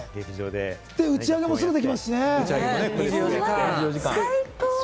打ち上げもすぐできますしね、そこで。